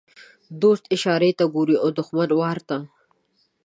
دوست اشارې ته ګوري او دښمن وارې ته.